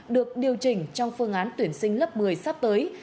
được điều chỉnh trong phương án tuyển sinh lớp một mươi sắp tới